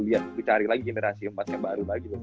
lihat lu cari lagi generasi empat nya baru lagi